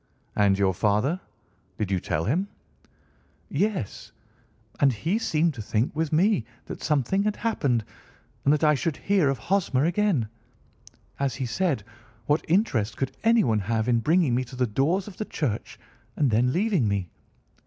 "And your father? Did you tell him?" "Yes; and he seemed to think, with me, that something had happened, and that I should hear of Hosmer again. As he said, what interest could anyone have in bringing me to the doors of the church, and then leaving me?